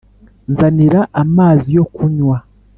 «nzanira amazi yo kunywa